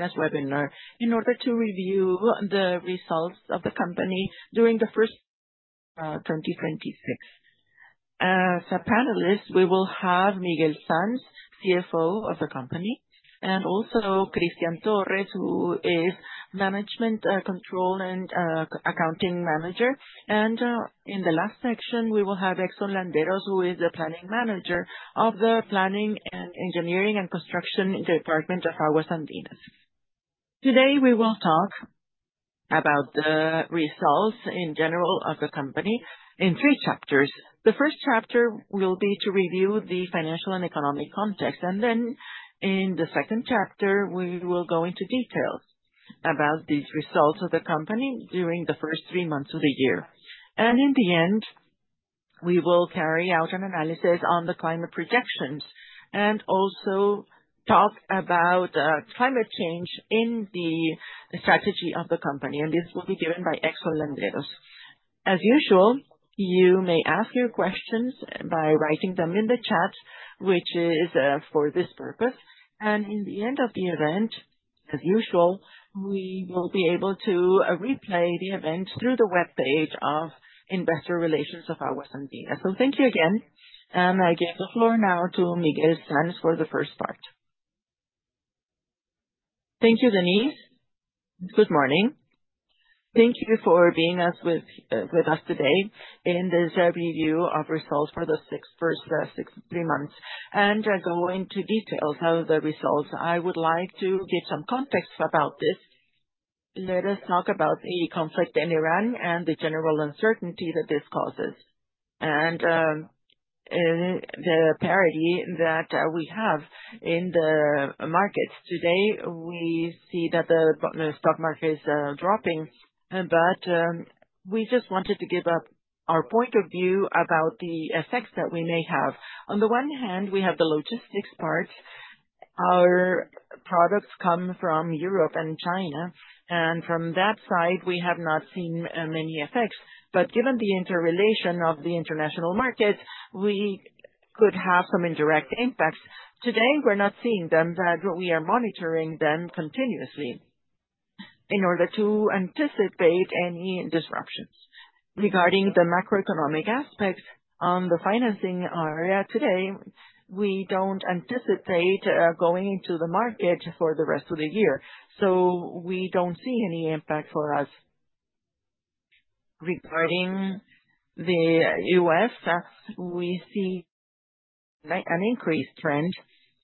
This webinar in order to review the results of the company during the first quarter of 2026. As our panelists, we will have Miquel Sans, CFO of the company, and also Cristian Torres, who is Management Control and Accounting Manager. In the last section, we will have Edson Landeros, who is the Planning Manager of the Planning and Engineering and Construction Department of Aguas Andinas. Today, we will talk about the results in general of the company in three chapters. The first chapter will be to review the financial and economic context, then in the second chapter, we will go into details about these results of the company during the first three months of the year. In the end, we will carry out an analysis on the climate projections and also talk about climate change in the strategy of the company. This will be given by Edson Landeros. As usual, you may ask your questions by writing them in the chat, which is for this purpose. In the end of the event, as usual, we will be able to replay the event through the webpage of investor relations of Aguas Andinas. Thank you again, and I give the floor now to Miquel Sans for the first part. Thank you, Denisse. Good morning. Thank you for being with us today in this review of results for the first three months, I go into details of the results. I would like to give some context about this. Let us talk about the conflict in Iran and the general uncertainty that this causes, and the parity that we have in the markets. Today, we see that the stock market is dropping. We just wanted to give our point of view about the effects that we may have. On the one hand, we have the logistics part. Our products come from Europe and China, and from that side, we have not seen many effects. Given the interrelation of the international markets, we could have some indirect impacts. Today, we're not seeing them, but we are monitoring them continuously in order to anticipate any disruptions. Regarding the macroeconomic aspect on the financing area, today, we don't anticipate going into the market for the rest of the year. We don't see any impact for us. Regarding the U.S., we see an increased trend,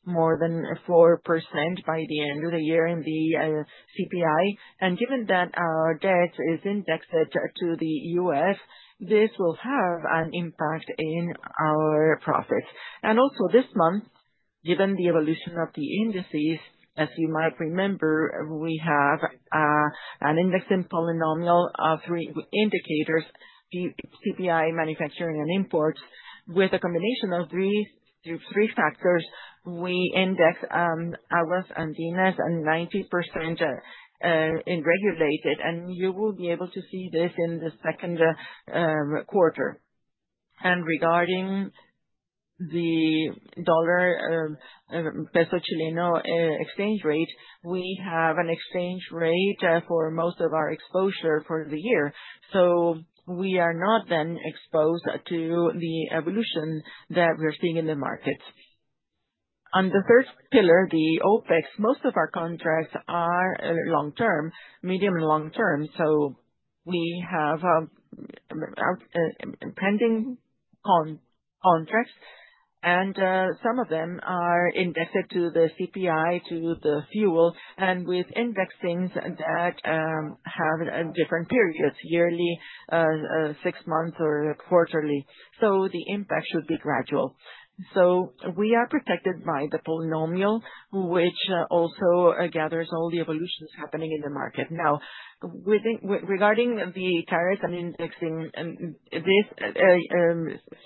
more than 4% by the end of the year in the CPI. Given that our debt is indexed to the U.S., this will have an impact on our profits. This month, given the evolution of the indices, as you might remember, we have an index and polynomial of three indicators, CPI, manufacturing, and imports. With a combination of these three factors, we index Aguas Andinas and 90% in regulated, you will be able to see this in the second quarter. Regarding the dollar Chilean peso exchange rate, we have an exchange rate for most of our exposure for the year. We are not then exposed to the evolution that we're seeing in the markets. On the third pillar, the OPEX, most of our contracts are long-term, medium and long-term. We have pending contracts, and some of them are indexed to the CPI, to the fuel, and with indexings that have different periods, yearly, six months or quarterly. The impact should be gradual. We are protected by the polynomial, which also gathers all the evolutions happening in the market. Now, regarding the tariffs and indexing, this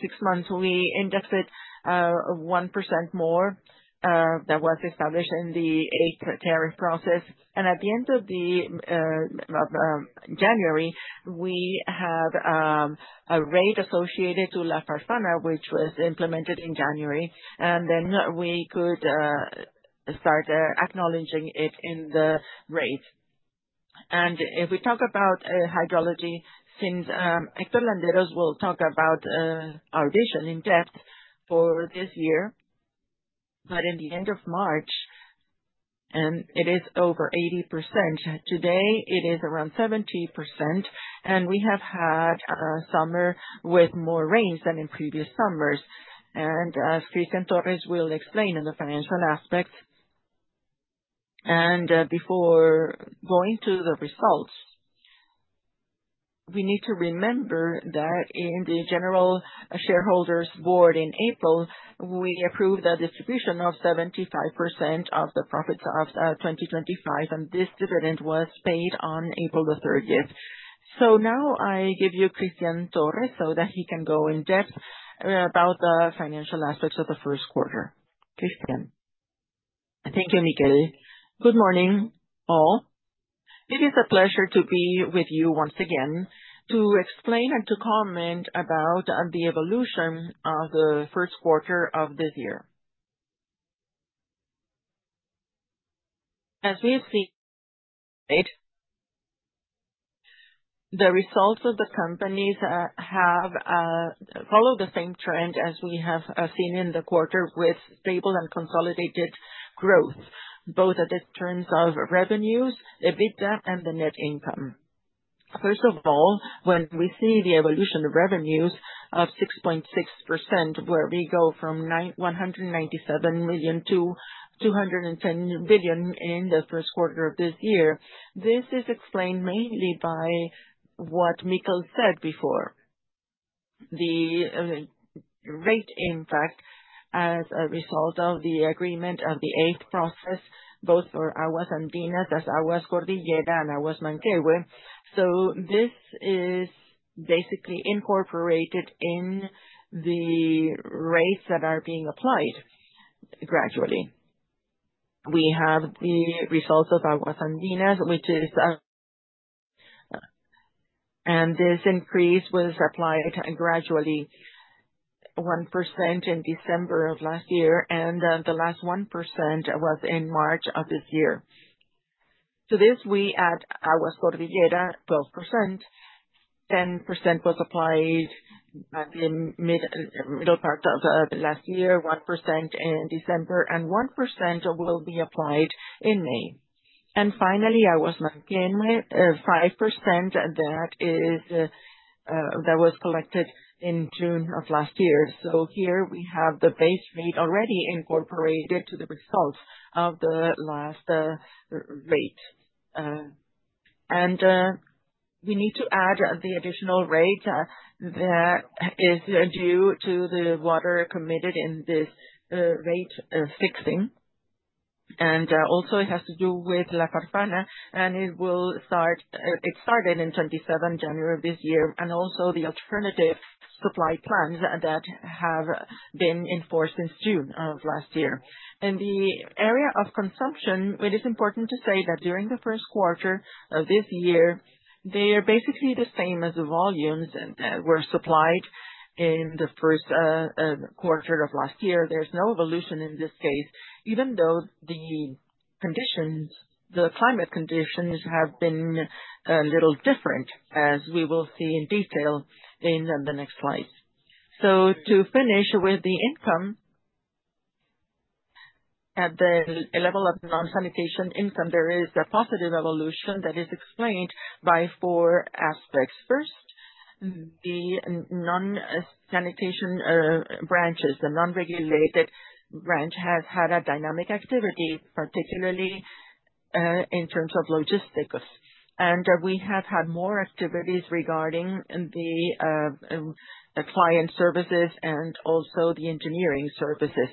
six months, we indexed it 1% more than was established in the tariff process. At the end of January, we had a rate associated to La Farfana, which was implemented in January, and then we could start acknowledging it in the rate. If we talk about hydrology, since Edson Landeros will talk about our vision in depth for this year, but in the end of March, it is over 80%. Today, it is around 70%, and we have had a summer with more rains than in previous summers. As Cristian Torres will explain in the financial aspect, before going to the results, we need to remember that in the general shareholders board in April, we approved a distribution of 75% of the profits of 2025, and this dividend was paid on April 30th. Now I give you Cristian Torres so that he can go in-depth about the financial aspects of the first quarter. Cristian. Thank you, Miquel Sans. Good morning, all. It is a pleasure to be with you once again to explain and to comment about the evolution of the first quarter of this year. We see, the results of the companies follow the same trend as we have seen in the quarter with stable and consolidated growth, both at the terms of revenues, EBITDA, and the net income. First of all, when we see the evolution of revenues of 6.6%, where we go from 197 million to 210 million in the first quarter of this year, this is explained mainly by what Miquel said before, the rate impact as a result of the agreement of the eighth process, both for Aguas Andinas, Aguas Cordillera, and Aguas Manquehue. This is basically incorporated in the rates that are being applied gradually. We have the results of Aguas Andinas. This increase was applied gradually, 1% in December of last year, and the last 1% was in March of this year. To this, we add Aguas Cordillera, 12%. 10% was applied in middle part of last year, 1% in December, and 1% will be applied in May. Finally, Aguas Manquehue, 5%, and that was collected in June of last year. Here we have the base rate already incorporated to the results of the last rate. We need to add the additional rate that is due to the water committed in this rate fixing. Also it has to do with La Farfana, it started in 27 January of this year, and also the alternative supply plans that have been in force since June of last year. In the area of consumption, it is important to say that during the first quarter of this year, they are basically the same as the volumes that were supplied in the first quarter of last year. There's no evolution in this case, even though the climate conditions have been a little different, as we will see in detail in the next slide. To finish with the income, at the level of non-sanitation income, there is a positive evolution that is explained by four aspects. First, the non-sanitation branches. The non-regulated branch has had a dynamic activity, particularly in terms of logistics. We have had more activities regarding the client services and also the engineering services.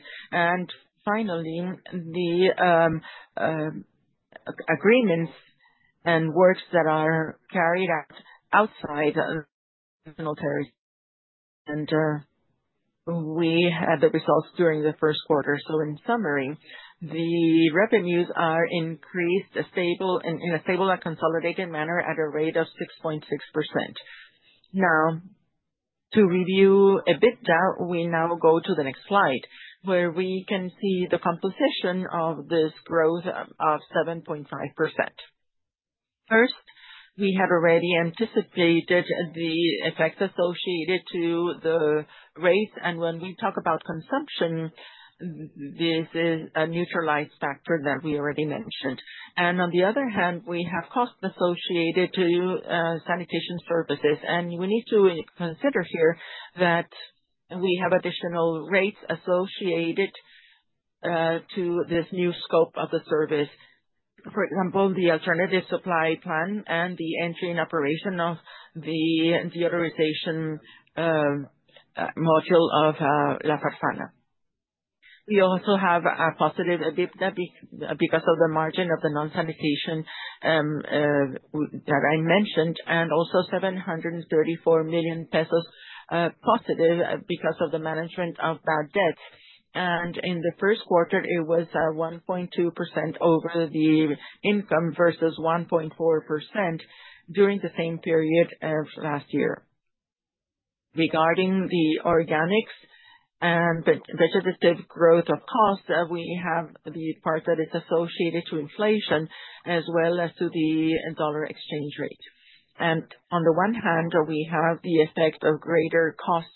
Finally, the agreements and works that are carried out outside of military. We had the results during the first quarter. In summary, the revenues are increased in a stable and consolidated manner at a rate of 6.6%. To review EBITDA, we now go to the next slide, where we can see the composition of this growth of 7.5%. First, we had already anticipated the effect associated to the rates. When we talk about consumption, this is a neutralized factor that we already mentioned. On the other hand, we have costs associated to sanitation services. We need to consider here that we have additional rates associated to this new scope of the service. For example, the alternative supply plan and the entry and operation of the deodorization module of La Farfana. We also have a positive EBITDA because of the margin of the non-sanitation that I mentioned, and also 734 million pesos positive because of the management of bad debt. In the first quarter, it was at 1.2% over the income versus 1.4% during the same period as last year. Regarding the organics and the positive growth of costs, we have the part that is associated to inflation as well as to the dollar exchange rate. On the one hand, we have the effect of greater cost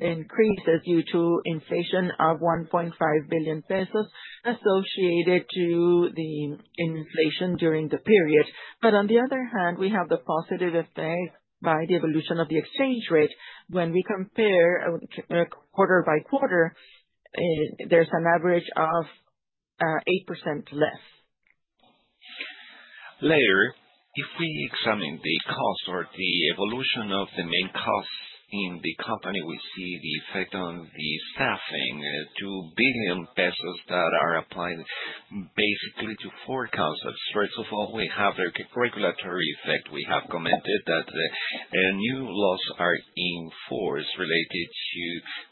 increases due to inflation of 1.5 billion pesos associated to the inflation during the period. On the other hand, we have the positive effect by the evolution of the exchange rate. When we compare quarter by quarter, there's an average of 8% less. Later, if we examine the cost or the evolution of the main costs in the company, we see the effect on the staffing, 2 billion pesos that are applied basically to four concepts. First of all, we have a regulatory effect. We have commented that new laws are in force related to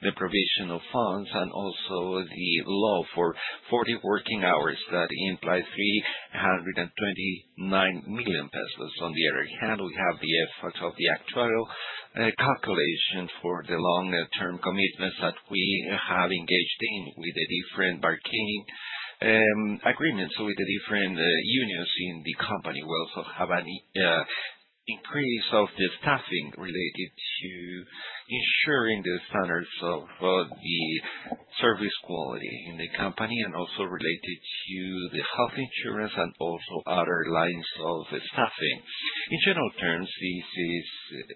the provision of funds and also the law for 40 working hours. That implies 129 million pesos. On the other hand, we have the effect of the actuary A calculation for the long-term commitments that we have engaged in with the different bargaining agreements with the different unions in the company. We also have an increase of the staffing related to ensuring the standards of the service quality in the company and also related to the health insurance and also other lines of staffing. In general terms, this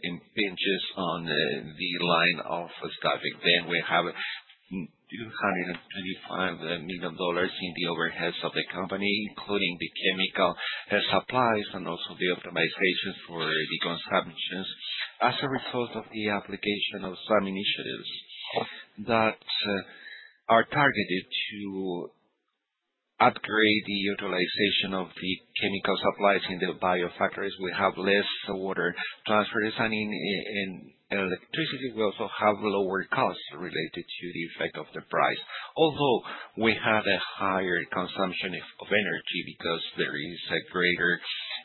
impinges on the line of staffing. We have CLP 235 million in the overheads of the company, including the chemical supplies and also the optimizations for the consumptions. As a result of the application of some initiatives that are targeted to upgrade the utilization of the chemical supplies in the Biofactorías, we have less water transfer and in electricity, we also have lower costs related to the effect of the price. Although we had a higher consumption of energy because there is a greater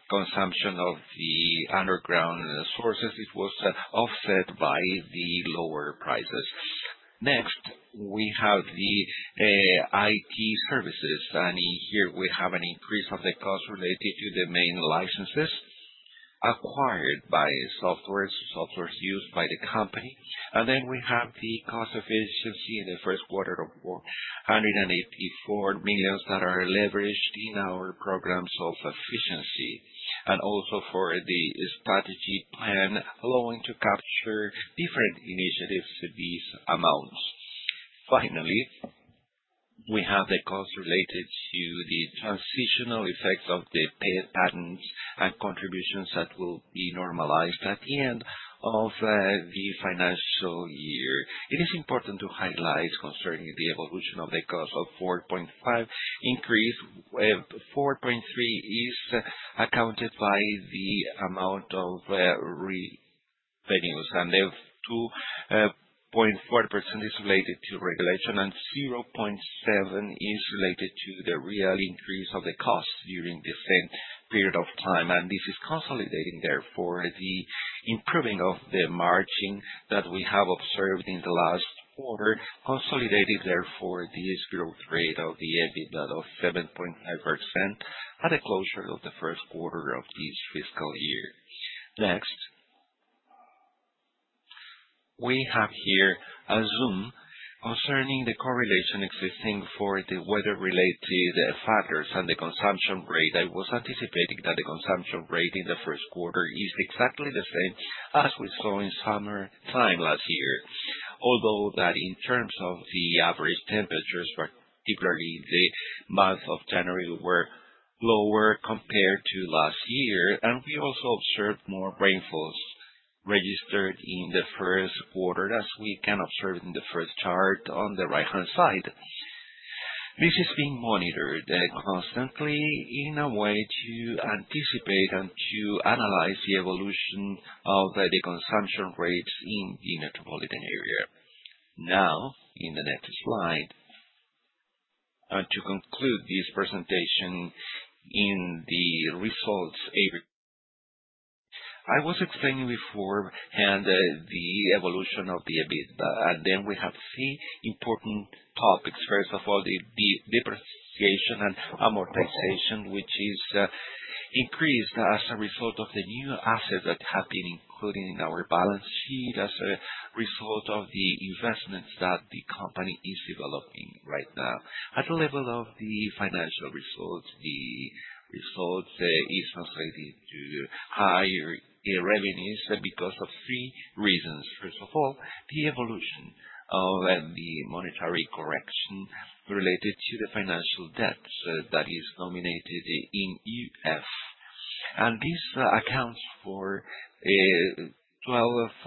consumption of the underground sources, it was offset by the lower prices. Next, we have the IT services, and here we have an increase of the cost related to the main licenses acquired by software used by the company. We have the cost efficiency in the first quarter of 184 million that are leveraged in our programs of efficiency and also for the strategy plan allowing to capture different initiatives to these amounts. Finally, we have the costs related to the transitional effects of the pay patterns and contributions that will be normalized at the end of the financial year. It is important to highlight concerning the evolution of the cost of 4.5% increase, 4.3% is accounted by the amount of revenues, 2.4% is related to regulation, 0.7% is related to the real increase of the cost during the same period of time. This is consolidating, therefore, the improving of the margin that we have observed in the last quarter, consolidating therefore the growth rate of the EBITDA of 7.5% at the closure of the first quarter of this fiscal year. Next. We have here a zoom concerning the correlation existing for the weather-related factors and the consumption rate. I was anticipating that the consumption rate in the first quarter is exactly the same as we saw in summertime last year, although that in terms of the average temperatures, particularly the month of January, were lower compared to last year. We also observed more rainfalls registered in the first quarter, as we can observe in the first chart on the right-hand side. This is being monitored constantly in a way to anticipate and to analyze the evolution of the consumption rates in the metropolitan area. Now, in the next slide, and to conclude this presentation in the results. I was explaining before and the evolution of the EBITDA, and then we have three important topics. First of all, the depreciation and amortization, which is increased as a result of the new assets that have been included in our balance sheet as a result of the investments that the company is developing right now. At the level of the financial results, the result is associated to higher revenues because of three reasons. The evolution of the monetary correction related to the financial debt that is nominated in UF. This accounts for 12.3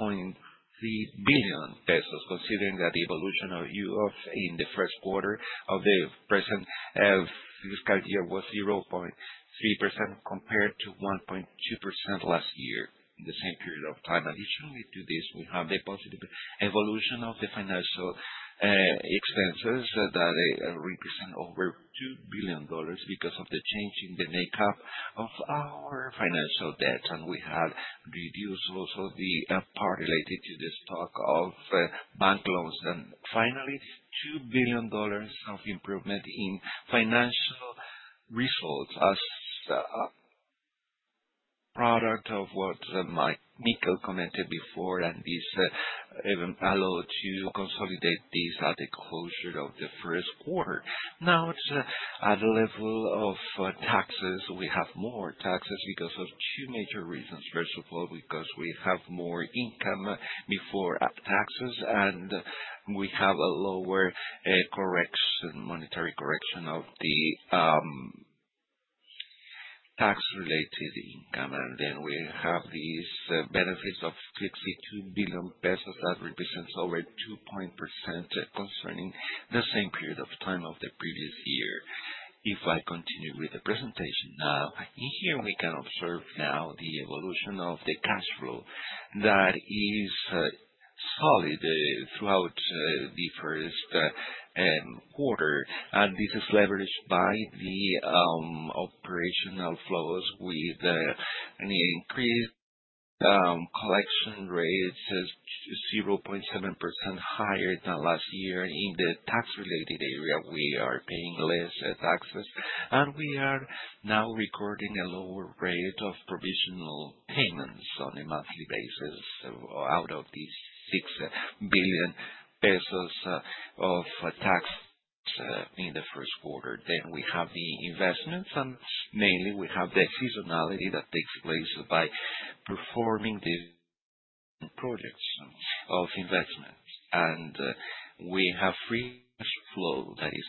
billion pesos, considering that the evolution of UF in the first quarter of the present fiscal year was 0.3% compared to 1.2% last year in the same period of time. Additionally to this, we have the positive evolution of the financial expenses that represent over CLP 2 billion because of the change in the makeup of our financial debts. We have reduced also the part related to the stock of bank loans. Finally, CLP 2 billion of improvement in financial results as a product of what Miquel Sans commented before, this even allowed to consolidate this at the closure of the first quarter. At the level of taxes, we have more taxes because of two major reasons. First of all, because we have more income before taxes, and we have a lower monetary correction of the tax-related income. We have these benefits of 62 billion pesos that represents over 2% concerning the same period of time of the previous year. If I continue with the presentation now. In here, we can observe now the evolution of the cash flow that is solid throughout the first quarter. This is leveraged by the operational flows with an increased collection rates, 0.7% higher than last year. In the tax related area, we are paying less taxes, and we are now recording a lower rate of provisional payments on a monthly basis out of these 6 billion pesos of tax in the first quarter. We have the investments, and mainly we have the seasonality that takes place by performing these projects of investments. We have free cash flow that is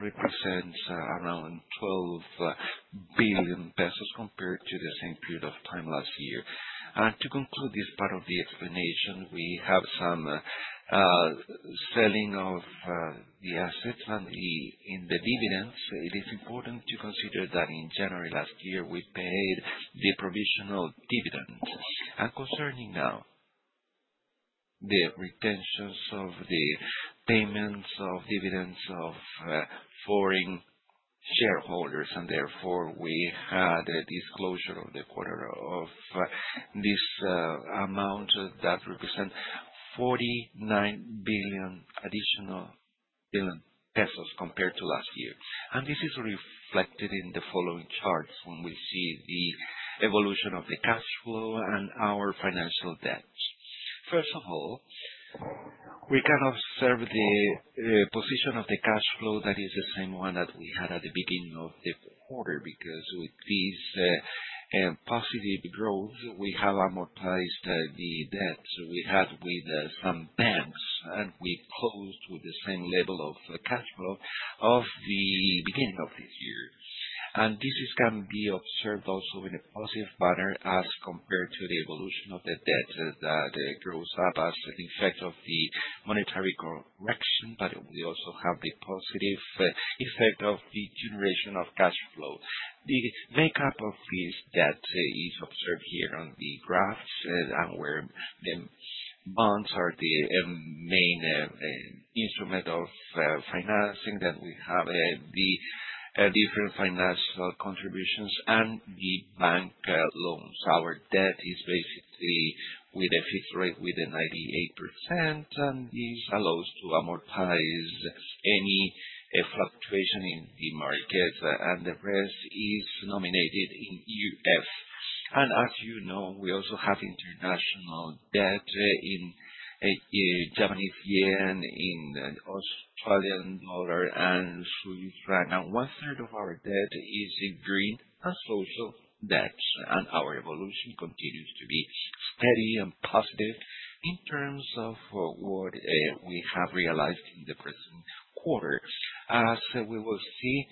represents around 12 billion pesos compared to the same period of time last year. To conclude this part of the explanation, we have some selling of the assets and in the dividends. It is important to consider that in January last year, we paid the provisional dividends. Concerning now the retentions of the payments of dividends of foreign shareholders, and therefore we had a disclosure of the quarter of this amount that represent 49 billion additional compared to last year. This is reflected in the following charts when we see the evolution of the cash flow and our financial debts. First of all, we can observe the position of the cash flow that is the same one that we had at the beginning of the quarter, because with this positive growth, we have amortized the debts we had with some banks, and we close with the same level of cash flow of the beginning of the year. This can be observed also in a positive manner as compared to the evolution of the debt that grows up as the effect of the monetary correction. We also have the positive effect of the generation of cash flow. The makeup of this debt is observed here on the graphs, and where the bonds are the main instrument of financing. We have the different financial contributions and the bank loans. Our debt is basically with a fixed rate with a 98%, this allows to amortize any fluctuation in the market. The rest is nominated in UF. As you know, we also have international debt in Japanese yen, in Australian dollar, and Swiss franc. One third of our debt is green and social debts. Our evolution continues to be steady and positive in terms of what we have realized in the present quarter. As we will see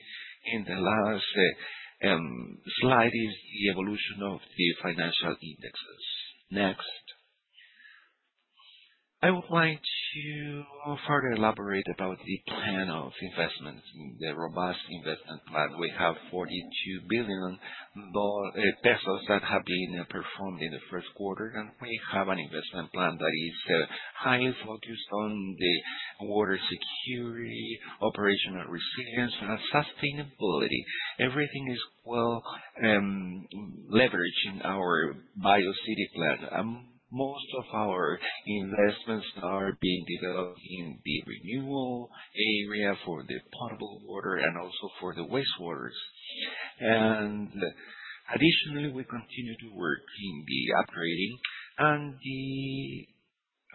in the last slide is the evolution of the financial indexes. Next. I would like to further elaborate about the plan of investments, the robust investment plan. We have 42 billion pesos that have been performed in the first quarter, and we have an investment plan that is highly focused on the water security, operational resilience, and sustainability. Everything is well leveraged in our Biociudad plan. Most of our investments are being developed in the renewal area for the potable water and also for the wastewater. Additionally, we continue to work in the upgrading and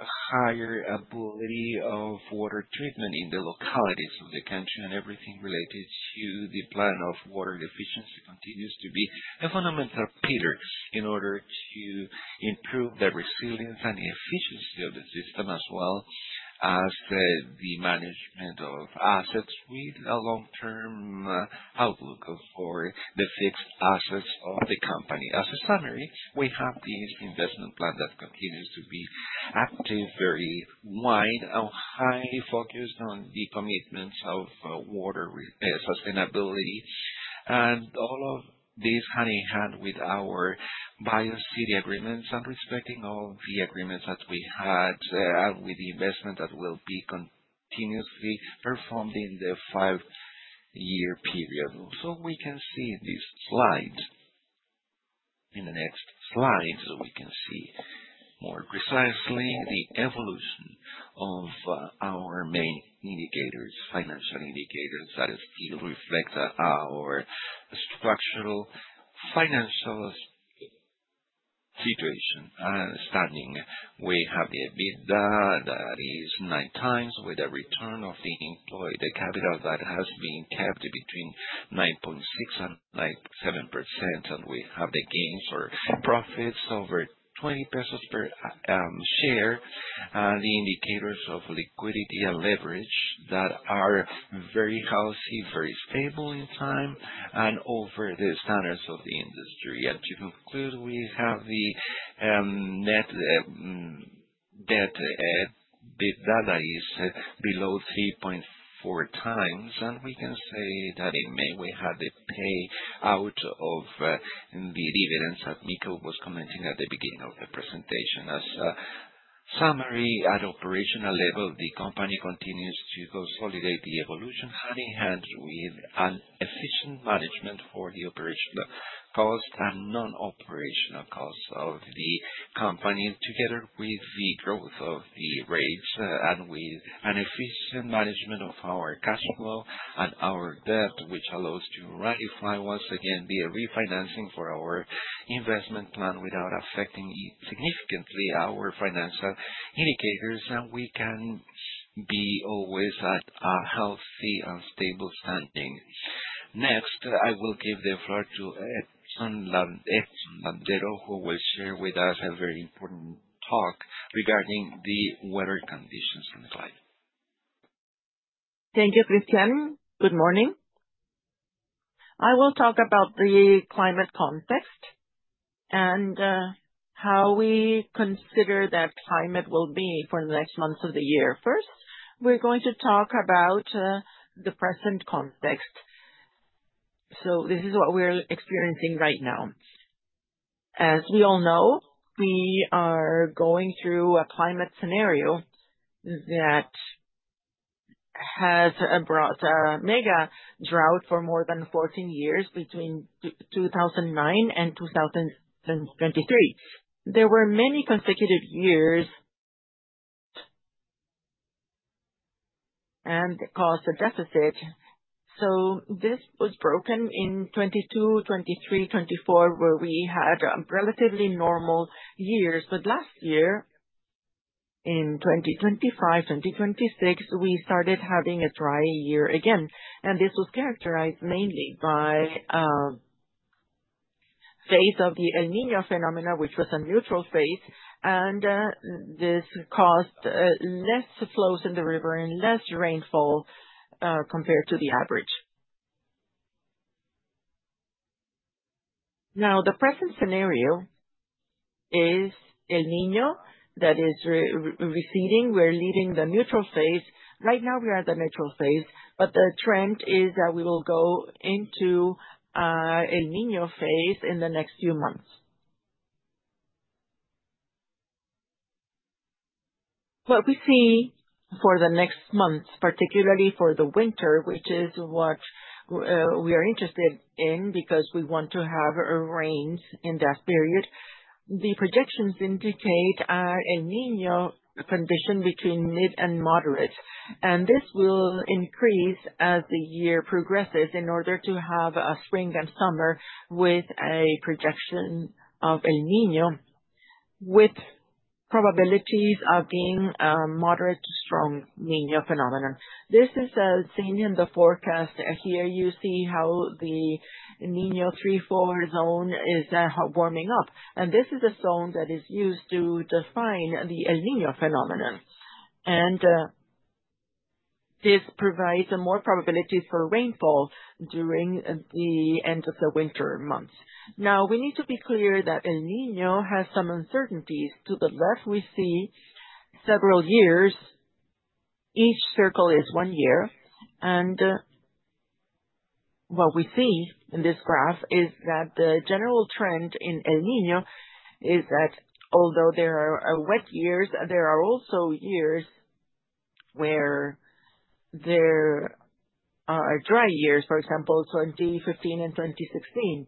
the higher ability of water treatment in the localities of the country, and everything related to the plan of water efficiency continues to be a fundamental pillar in order to improve the resilience and efficiency of the system, as well as the management of assets with a long-term outlook for the fixed assets of the company. As a summary, we have this investment plan that continues to be active, very wide, and highly focused on the commitments of water sustainability. All of this hand in hand with our Biociudad agreements and respecting all the agreements that we had with the investment that will be continuously performed in the five-year period. We can see this slide. In the next slide, we can see more precisely the evolution of our main indicators, financial indicators that reflect our structural financial situation and standing. We have the EBITDA that is 9x with a return of the employed capital that has been kept between 9.6% and 9.7%. We have the gains or profits over 20 pesos per share, and the indicators of liquidity and leverage that are very healthy, very stable in time and over the standards of the industry. To conclude, we have the net debt that is below 3.4x, and we can say that in May we had the pay-out of dividends that Miquel Sans was commenting at the beginning of the presentation. As a summary, at operational level, the company continues to consolidate the evolution, hand in hand with an efficient management for the operational cost and non-operational cost of the company, together with the growth of the rates and with an efficient management of our cash flow and our debt, which allows to ratify once again the refinancing for our investment plan without affecting significantly our financial indicators, and we can be always at a healthy and stable standing. Next, I will give the floor to Edson Landeros, who will share with us a very important talk regarding the weather conditions on the planet. Thank you, Cristian. Good morning. I will talk about the climate context and how we consider that climate will be for the next months of the year. First, we're going to talk about the present context. This is what we're experiencing right now. As we all know, we are going through a climate scenario that has brought a mega drought for more than 14 years, between 2009 and 2023. There were many consecutive years and it caused a deficit. This was broken in 2022, 2023, 2024, where we had a relatively normal year. Last year, in 2025, 2026, we started having a dry year again. This was characterized mainly by a phase of the El Niño phenomenon, which was a neutral phase, and this caused less flows in the river and less rainfall compared to the average. The present scenario is El Niño that is receding. We're leaving the neutral phase. Right now we are at the neutral phase, but the trend is that we will go into El Niño phase in the next few months. What we see for the next months, particularly for the winter, which is what we are interested in because we want to have rains in that period, the projections indicate a El Niño condition between mid and moderate, and this will increase as the year progresses in order to have a spring and summer with a projection of El Niño, with probabilities of being a moderate to strong El Niño phenomenon. This is seen in the forecast. Here you see how the El Niño 3.4 zone is warming up, and this is the zone that is used to define the El Niño phenomenon. This provides more probabilities for rainfall during the end of the winter months. Now, we need to be clear that El Niño has some uncertainties. To the left, we see several years. Each circle is one year, and what we see in this graph is that the general trend in El Niño is that although there are wet years, there are also years where there are dry years, for example, 2015 and 2016.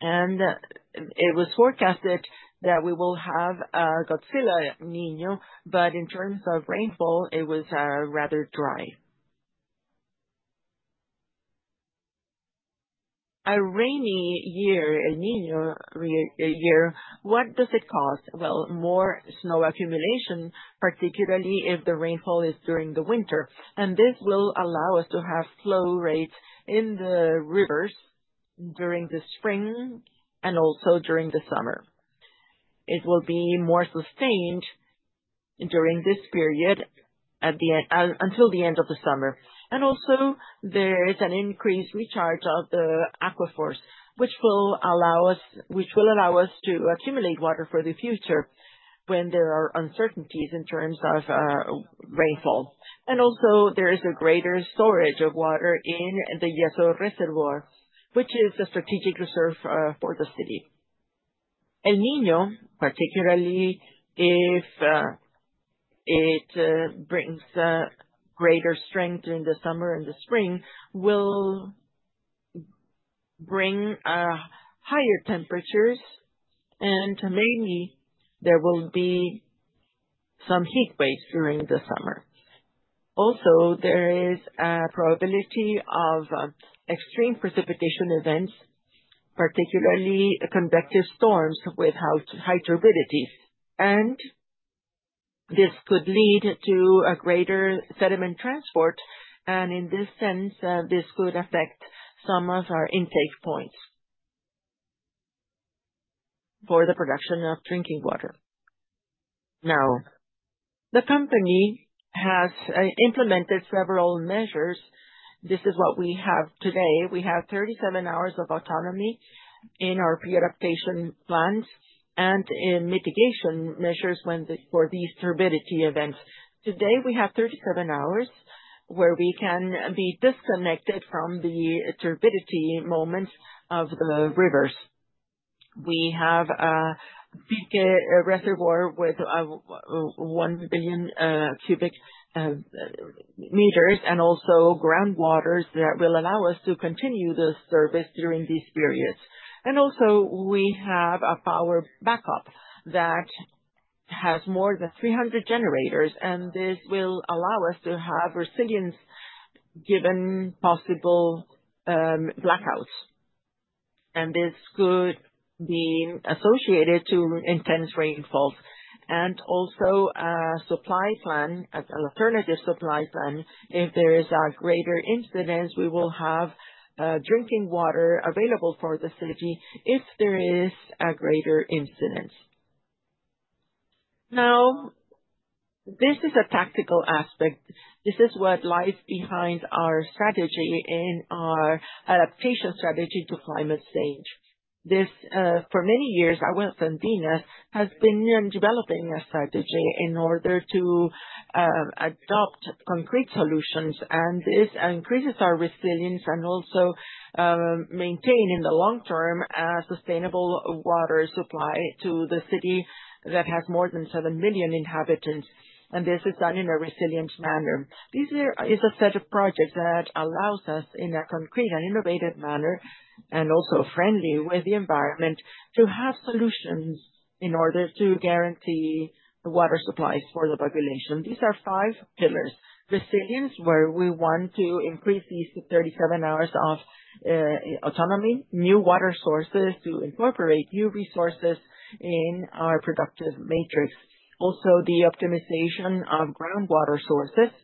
It was forecasted that we will have a Godzilla El Niño, but in terms of rainfall, it was rather dry. A rainy year, El Niño year, what does it cause? Well, more snow accumulation, particularly if the rainfall is during the winter. This will allow us to have flow rates in the rivers during the spring and also during the summer. It will be more sustained during this period until the end of the summer. There is an increased recharge of the aquifers, which will allow us to accumulate water for the future when there are uncertainties in terms of rainfall. There is a greater storage of water in the El Yeso reservoir, which is a strategic reserve for the city. El Niño, particularly if it brings greater strength in the summer and the spring, will bring higher temperatures, and mainly there will be some heat waves during the summer. There is a probability of extreme precipitation events, particularly convective storms with high turbidities. This could lead to a greater sediment transport, and in this sense, this could affect some of our intake points for the production of drinking water. Now, the company has implemented several measures. This is what we have today. We have 37 hours of autonomy in our adaptation plans and in mitigation measures for these turbidity events. We have 37 hours where we can be disconnected from the turbidity moments of the rivers. We have a Pirque reservoir with 1 billion cubic meters and also ground waters that will allow us to continue the service during these periods. Also we have a power backup that has more than 300 generators, and this will allow us to have resilience given possible blackouts. This could be associated to intense rainfalls and also a supply plan, as an alternative supply plan, if there is a greater incident, we will have drinking water available for the city if there is a greater incident. This is a tactical aspect. This is what lies behind our strategy in our adaptation strategy to climate change. For many years, Aguas Andinas has been developing a strategy in order to adopt concrete solutions, and this increases our resilience and also maintain, in the long term, a sustainable water supply to the city that has more than seven million inhabitants, and this is done in a resilient manner. This here is a set of projects that allows us in a concrete and innovative manner, and also friendly with the environment, to have solutions in order to guarantee the water supplies for the population. These are five pillars. Resilience, where we want to increase these 37 hours of autonomy, new water sources to incorporate new resources in our productive matrix. Also, the optimization of groundwater sources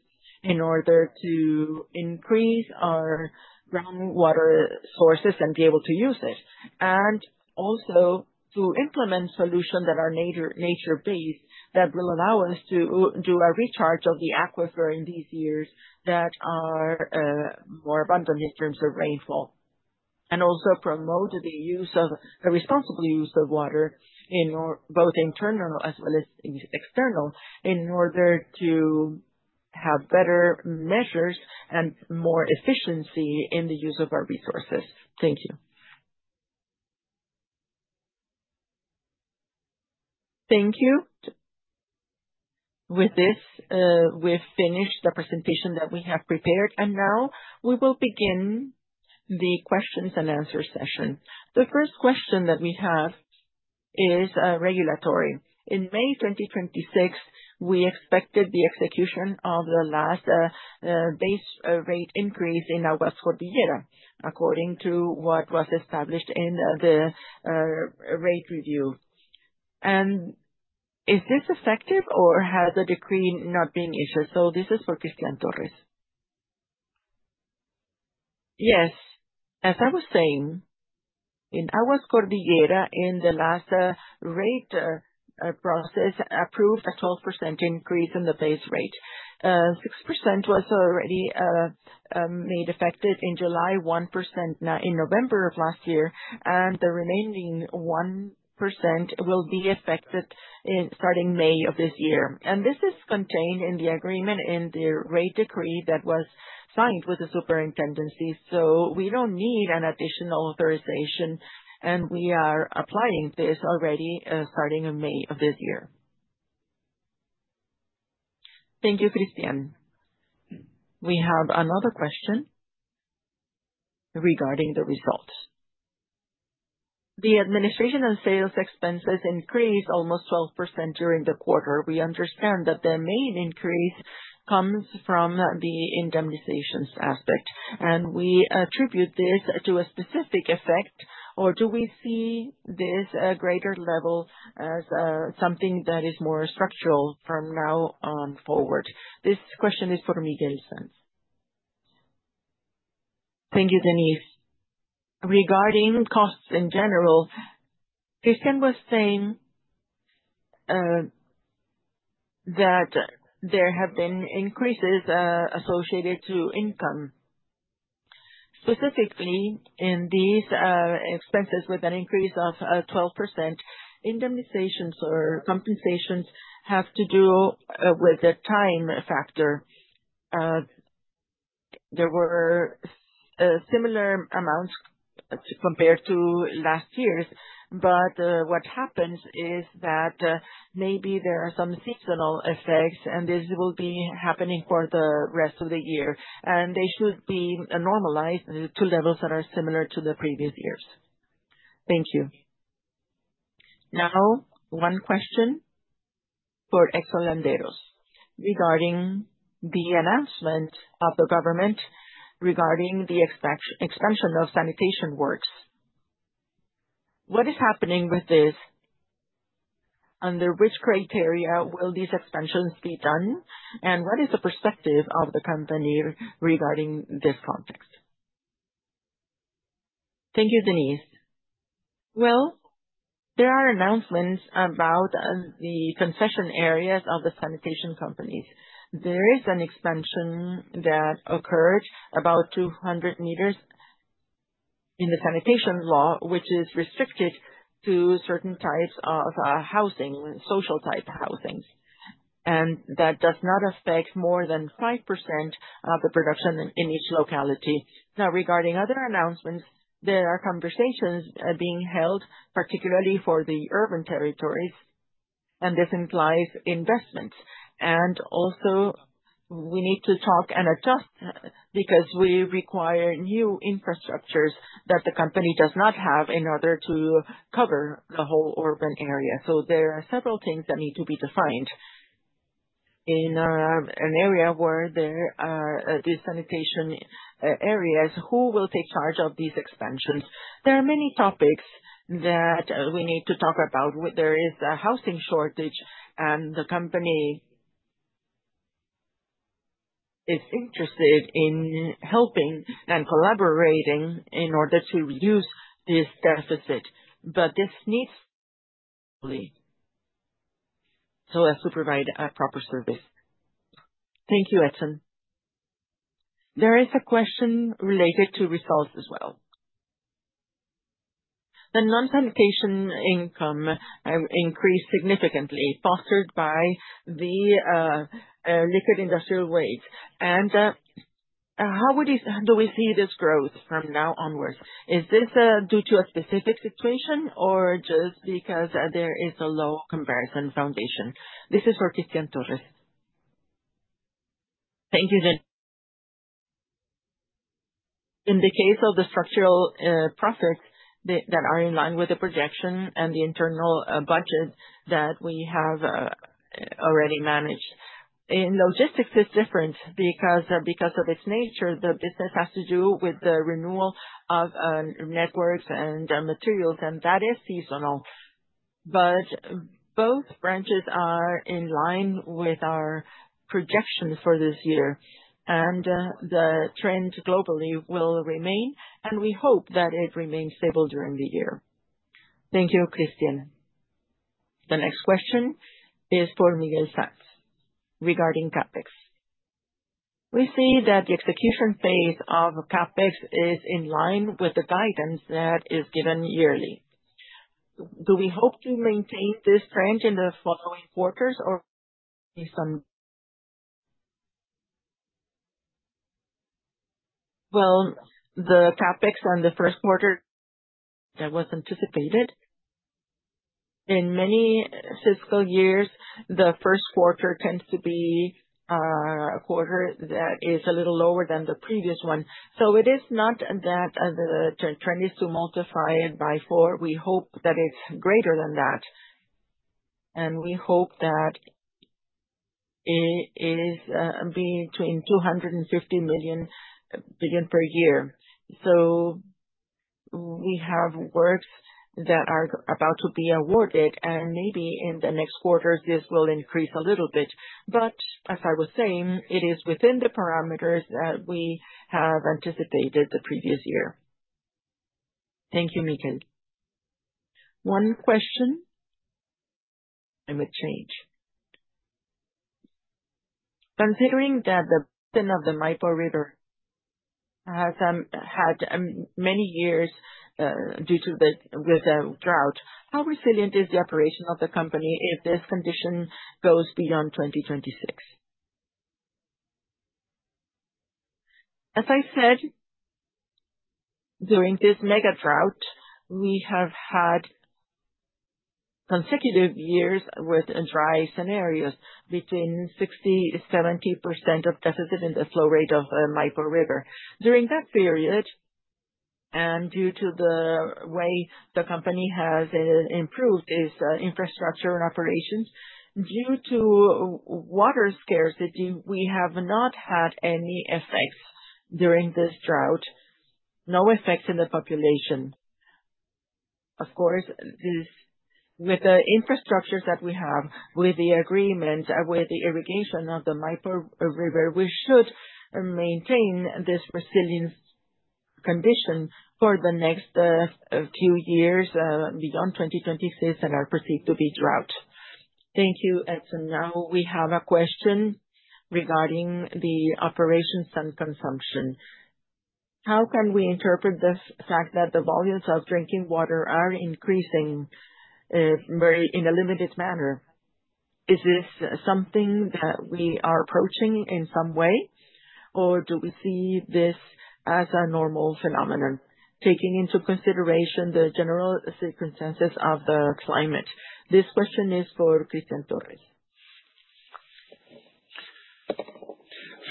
in order to increase our groundwater sources and be able to use it. to implement solution that are nature-based that will allow us to do a recharge of the aquifer in these years that are more abundant in terms of rainfall. promote the responsible use of water in both internal as well as external in order to have better measures and more efficiency in the use of our resources. Thank you. Thank you. With this, we've finished the presentation that we have prepared, and now we will begin the questions and answer session. The first question that we have is regulatory. In May 2026, we expected the execution of the last base rate increase in Aguas Cordillera, according to what was established in the rate review. Is this effective or has a decree not been issued? This is for Cristian Torres. Yes. As I was saying, in Aguas Cordillera, in the last rate process, approved a 12% increase in the base rate. 6% was already made effective in July, 1% in November of last year, the remaining 1% will be effective starting May of this year. This is contained in the agreement in the rate decree that was signed with the Superintendency. We don't need an additional authorization, and we are applying this already starting in May of this year. Thank you, Cristian. We have another question regarding the results. The administration and sales expenses increased almost 12% during the quarter. We understand that the main increase comes from the indemnizations aspect, and we attribute this to a specific effect. Do we see this at greater level as something that is more structural from now on forward? This question is for Miquel Sans. Thank you, Denisse. Regarding costs in general, Cristian was saying that there have been increases associated to income, specifically in these expenses with an increase of 12%. Indemnizations or compensations have to do with the time factor. There were similar amounts compared to last year's. What happens is that maybe there are some seasonal effects, and this will be happening for the rest of the year, and they should be normalized to levels that are similar to the previous years. Thank you. Now, one question for Edson Landeros regarding the announcement of the government regarding the extension of sanitation works. What is happening with this? Under which criteria will these extensions be done, and what is the perspective of the company regarding this context? Thank you, Denisse. Well, there are announcements about the concession areas of the sanitation company. There is an expansion that occurred about 200 meters in the sanitation law, which is restricted to certain types of housing, social type housing, and that does not affect more than 5% of the production in each locality. Now, regarding other announcements, there are conversations being held, particularly for the urban territories, and this implies investments. Also we need to talk and adjust because we require new infrastructures that the company does not have in order to cover the whole urban area. There are several things that need to be defined in an area where there are sanitation areas, who will take charge of these expansions. There are many topics that we need to talk about. There is a housing shortage, and the company is interested in helping and collaborating in order to use these statistics, but this needs so as to provide a proper service. Thank you, Edson Landeros. There is a question related to results as well. The non-sanitation income increased significantly, fostered by the liquid industrial waste. How would you see this growth from now onwards? Is this due to a specific situation or just because there is a low comparison foundation? This is for Cristian Torres. Thank you. In the case of the structural process that are in line with the projection and the internal budget that we have already managed. In logistics, it's different because of its nature. The business has to do with the renewal of networks and materials, and that is seasonal. Both branches are in line with our projection for this year, and the trend globally will remain, and we hope that it remains stable during the year. Thank you, Cristian. The next question is for Miquel Sans regarding CapEx. We see that the execution phase of CapEx is in line with the guidance that is given yearly. Do we hope to maintain this trend in the following quarters, or see some? The CapEx on the first quarter that was anticipated. In many fiscal years, the first quarter tends to be a quarter that is a little lower than the previous one. It is not that the trend is to multiply it by four. We hope that it's greater than that, and we hope that it is between 250 million per year. We have works that are about to be awarded, and maybe in the next quarters, this will increase a little bit. As I was saying, it is within the parameters that we have anticipated the previous year. Thank you, Miquel. One question, we change. Considering that the flow of the Maipo River has had many years due to the drought, how resilient is the operation of the company if this condition goes beyond 2026? As I said, during this mega drought, we have had consecutive years with dry scenarios between 60% and 70% of the flow rate of Maipo River. During that period, due to the way the company has improved its infrastructure and operations due to water scarcity, we have not had any effects during this drought, no effects in the population. Of course, with the infrastructures that we have, with the agreement, with the irrigation of the Maipo River, we should maintain this resilient condition for the next few years beyond 2026 that are perceived to be drought. Thank you, Edson Landeros. We have a question regarding the operations and consumption. How can we interpret this fact that the volumes of drinking water are increasing in a limited manner? Is this something that we are approaching in some way, or do we see this as a normal phenomenon, taking into consideration the general circumstances of the climate? This question is for Cristian Torres.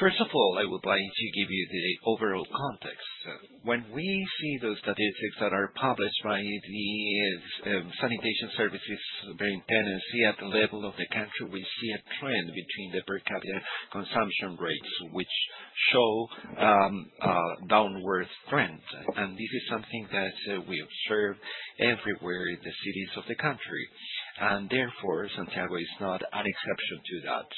First of all, I would like to give you the overall context. When we see those statistics that are published by the Superintendencia de Servicios Sanitarios at the level of the country, we see a trend between the per capita consumption rates, which show a downward trend. This is something that we observe everywhere in the cities of the country. Therefore, Santiago is not an exception to that.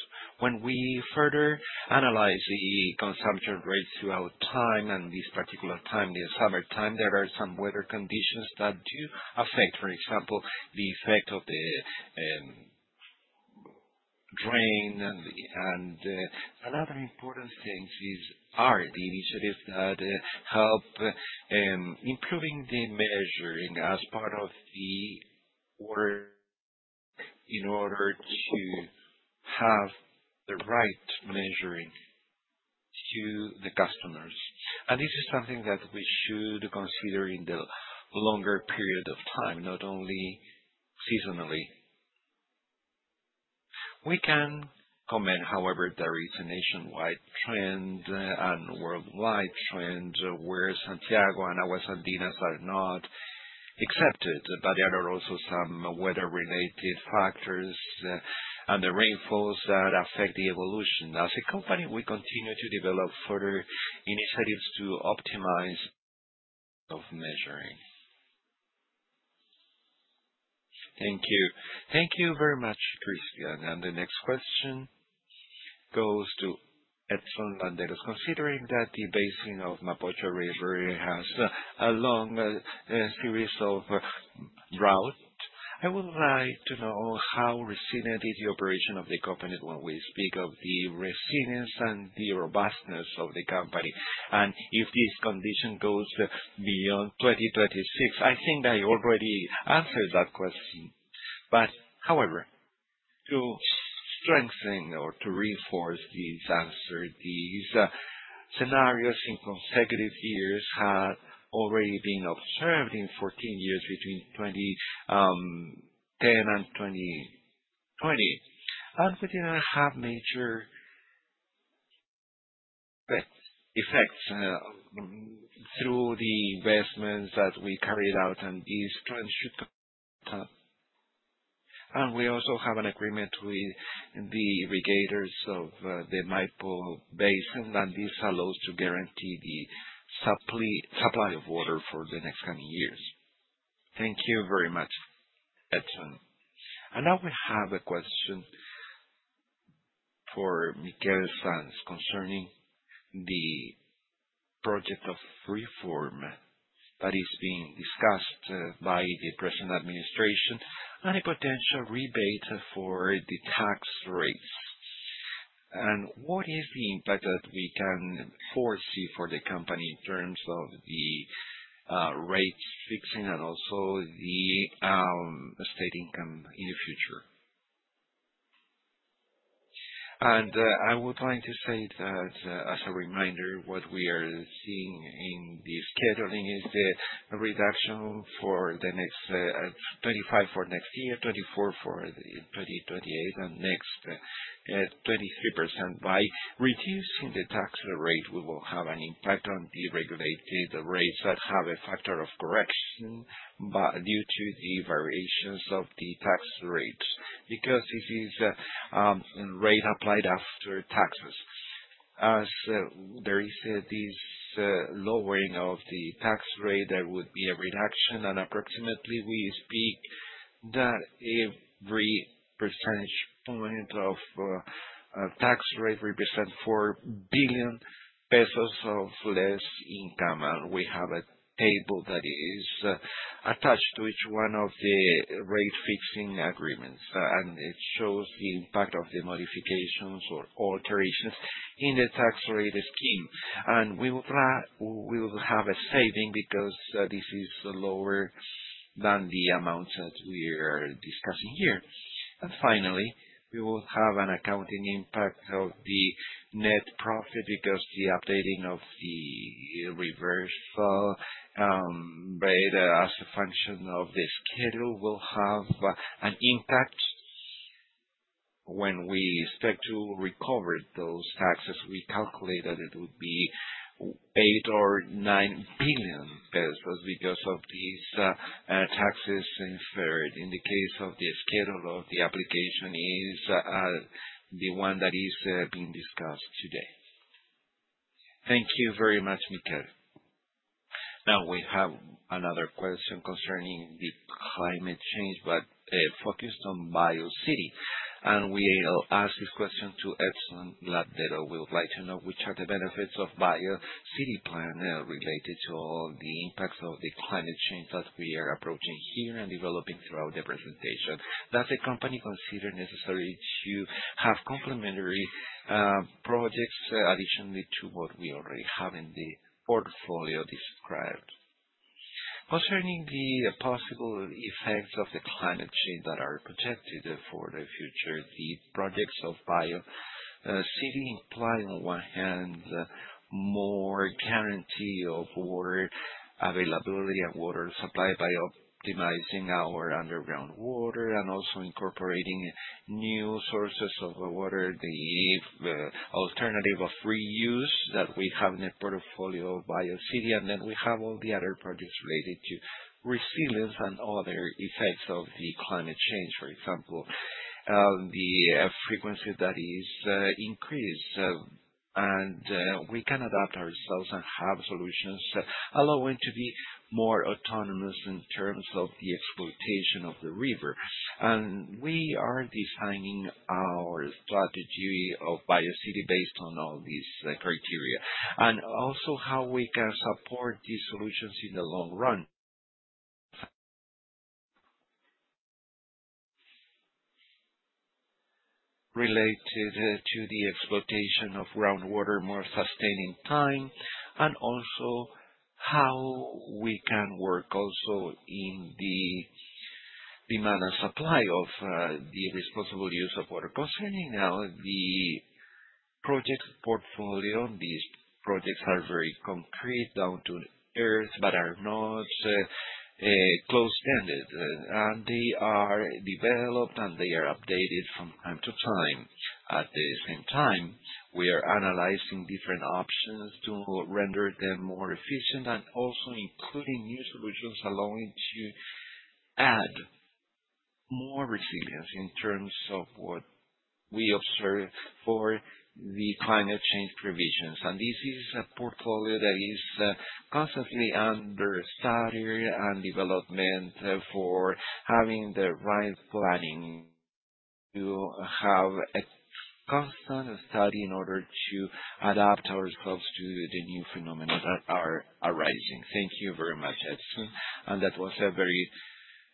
When we further analyze the consumption rates throughout time and this particular time, the summer time, there are some weather conditions that do affect. For example, the effect of the drain and another important thing is the initiatives that help improve the measuring as part of the work in order to have the right measuring to the customers. This is something that we should consider in the longer period of time, not only seasonally. We can comment, there is a nationwide trend and worldwide trend where Santiago and Aguas Andinas are not excepted, there are also some weather-related factors and the rainfalls that affect the evolution. As a company, we continue to develop further initiatives to optimize of measuring. Thank you. Thank you very much, Cristian. The next question goes to Edson Landeros. Considering that the basin of Maipo River has a long series of drought, I would like to know how resilient is the operation of the company when we speak of the resilience and the robustness of the company, if this condition goes beyond 2026. I think I already answered that question. To strengthen or to reinforce the answer, these scenarios in consecutive years had already been observed in 14 years between 2010 and 2020. We didn't have major effects through the investments that we carried out, and this trend should continue. We also have an agreement with the irrigators of the Maipo basin, and this allows to guarantee the supply of water for the next 10 years. Thank you very much, Edson. Now we have a question for Miquel Sans concerning the project of reform that is being discussed by the present administration and a potential rebate for the tax rates. What is the impact that we can foresee for the company in terms of the rate fixing and also the state income in the future? I would like to say as a reminder, what we are seeing in the scheduling is the reduction for the next 25% for next year, 24% for 2028, and next 23%. By reducing the tax rate, we will have an impact on the regulated rates that have a factor of correction due to the variations of the tax rates. This is a rate applied after taxes. There is this lowering of the tax rate, there would be a reduction and approximately we speak that every percentage point of tax rate represents 4 billion pesos of less income. We have a table that is attached to each one of the rate-fixing agreements, and it shows the impact of the modifications or alterations in the tax rate scheme. We will have a saving because this is lower than the amount that we are discussing here. Finally, we will have an accounting impact of the net profit because the updating of the reversal rate as a function of the schedule will have an impact when we expect to recover those taxes. We calculate that it will be 8 billion or 9 billion pesos because of these taxes deferred. In the case of the schedule of the application is the one that is being discussed today. Thank you very much, Miquel. We have another question concerning the climate change, but focused on Biociudad. We ask this question to Edson Landeros. We would like to know which are the benefits of Biociudad planner related to all the impacts of the climate change that we are approaching here and developing throughout the presentation. Does the company consider necessary to have complementary projects additionally to what we already have in the portfolio described? Concerning the possible effects of the climate change that are protected for the future, the projects of Biociudad imply, on one hand, more guarantee of water availability and water supply by optimizing our underground water and also incorporating new sources of water, the alternative of reuse that we have in the portfolio of Biociudad. We have all the other projects related to resilience and other effects of the climate change. For example, the frequency that is increased, and we can adapt ourselves and have solutions allowing to be more autonomous in terms of the exploitation of the Maipo River. We are designing our strategy of Biociudad based on all these criteria and also how we can support these solutions in the long run related to the exploitation of groundwater more sustained in time, and also how we can work also in the demand and supply of the responsible use of water. Concerning now the project portfolio, these projects are very concrete, down to earth, but are not close-ended, and they are developed, and they are updated from time to time. At the same time, we are analyzing different options to render them more efficient and also including new solutions allowing to add more resilience in terms of what we observe for the climate change provisions. This is a portfolio that is constantly under study and development for having the right planning to have a constant study in order to adapt ourselves to the new phenomena that are arising. Thank you very much, Edson, and that was a very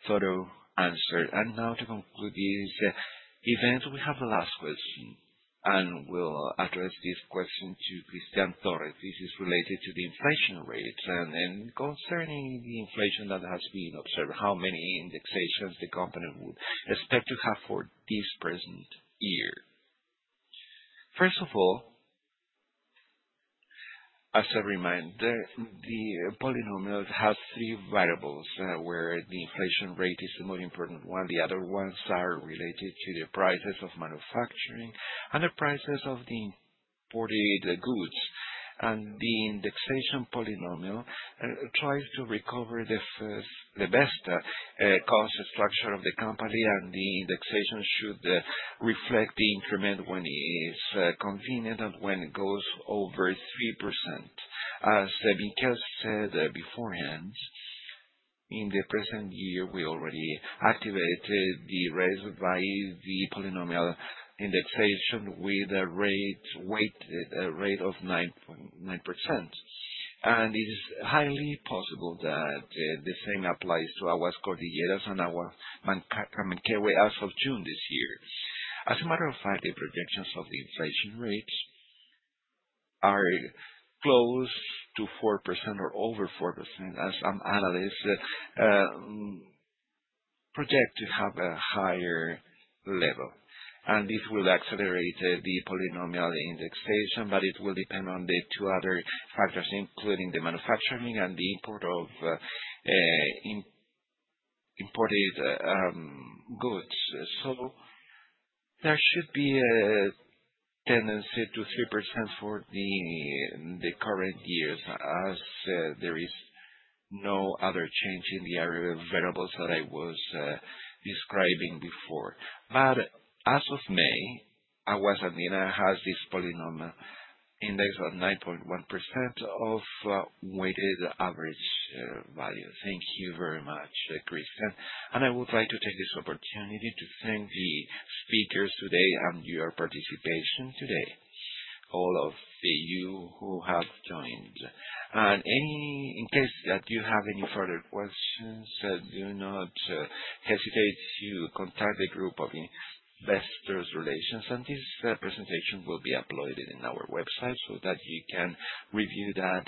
thorough answer. Now to conclude this event, we have the last question, and we'll address this question to Cristian Torres. This is related to the inflation rate and concerning the inflation that has been observed, how many indexations the company would expect to have for this present year. First of all, as a reminder, the polynomial has three variables, where the inflation rate is the most important one. The other ones are related to the prices of manufacturing and the prices of the imported goods. The polynomial indexation tries to recover the best cost structure of the company, and the indexation should reflect the increment when it is convenient and when it goes over 3%. As Miquel said beforehand, in the present year, we already activated the raise by the polynomial indexation with a rate of 9.9%. It is highly possible that the same applies to Aguas Cordillera and Aguas Manquehue as of June this year. As a matter of fact, the predictions of the inflation rates are close to 4% or over 4%, as some analysts project to have a higher level. It will accelerate the polynomial indexation, but it will depend on the two other factors, including the manufacturing and the import of imported goods. There should be a tendency to 3% for the current years as there is no other change in the other variables that I was describing before. As of May, Aguas Andinas has this polynomial index of 9.1% of weighted average value. Thank you very much, Cristian. I would like to take this opportunity to thank the speakers today and your participation today, all of you who have joined. In case that you have any further questions, do not hesitate to contact the group of investor relations, and this presentation will be uploaded in our website so that you can review that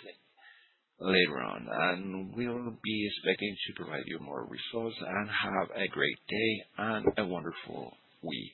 later on. We will be expecting to provide you more results and have a great day and a wonderful week.